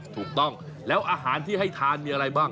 ถูกต้องแล้วอาหารที่ให้ทานมีอะไรบ้าง